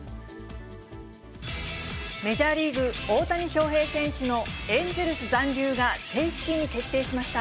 メジャーリーグ、大谷翔平選手のエンゼルス残留が正式に決定しました。